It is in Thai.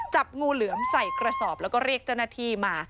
จับงูเหลือมใส่กระสอบแล้วก็เรียกเจ้าหน้าที่มา